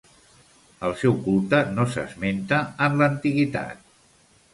El seu culte no s'esmenta en l'antiguitat.